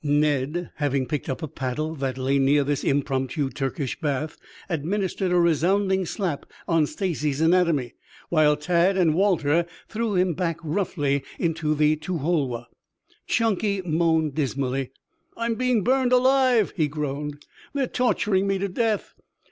Ned, having picked up a paddle that lay near this impromptu Turkish bath, administered a resounding slap on Stacy's anatomy, while Tad and Walter threw him back roughly into the to hol woh. Chunky moaned dismally. "I'm being burned alive," he groaned. "They're torturing me to death."